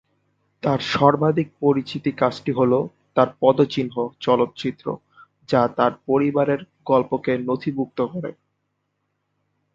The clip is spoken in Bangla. তার সর্বাধিক পরিচিত কাজটি হল "তার পদচিহ্ন" চলচ্চিত্র, যা তার পরিবারের গল্পকে নথিভুক্ত করে।